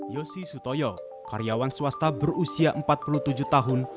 yosi sutoyo karyawan swasta berusia empat puluh tujuh tahun